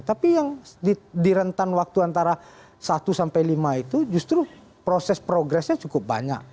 tapi yang di rentan waktu antara satu sampai lima itu justru proses progresnya cukup banyak